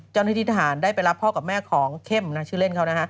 เจ้าหน้าที่ทหารได้ไปรับพ่อกับแม่ของเข้มนะชื่อเล่นเขานะฮะ